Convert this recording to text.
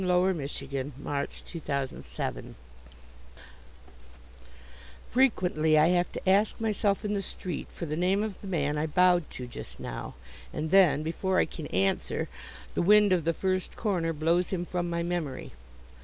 JAMES MATTHEW BARRIE The Inconsiderate Waiter Frequently I have to ask myself in the street for the name of the man I bowed to just now, and then, before I can answer, the wind of the first corner blows him from my memory.